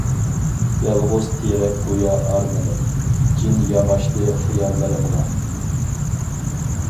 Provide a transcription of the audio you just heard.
يالغۇز تېرەك گويا ئارمىنىم، جىن ياماشتى خىياللىرىمغا.